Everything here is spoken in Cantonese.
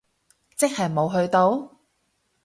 即係冇去到？